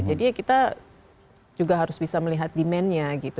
jadi kita juga harus bisa melihat demandnya gitu